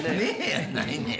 やないねん。